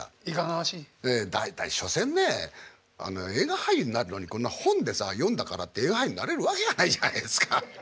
ええ大体所詮ね映画俳優になるのにこんな本でさ読んだからって映画俳優になれるわけがないじゃないですか。